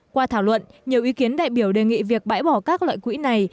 qua thảo luận nhiều ý kiến đại biểu đề nghị việc bãi bỏ các loại quỹ này